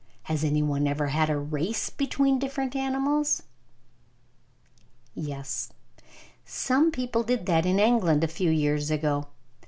"Has anyone had a race between different animals?" Yes, some people did that in England a few years ago.